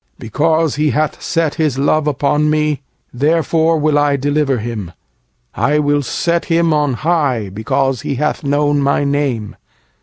14< Because he hath set his love upon Me, therefore will I deliver him; I will set him on high, because he hath known My name.